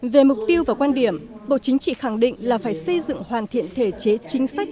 về mục tiêu và quan điểm bộ chính trị khẳng định là phải xây dựng hoàn thiện thể chế chính sách